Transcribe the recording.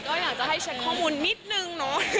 ก็อยากจะให้เช็คข้อมูลนิดนึงเนอะ